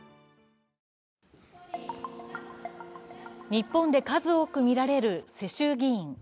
日本で数多く見られる世襲議員。